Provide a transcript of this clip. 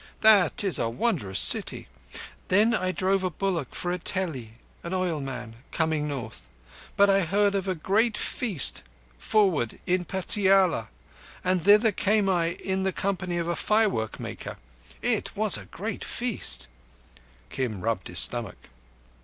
That is a wondrous city. Then I drove a bullock for a teli (an oilman) coming north; but I heard of a great feast forward in Patiala, and thither went I in the company of a firework maker. It was a great feast" (Kim rubbed his stomach).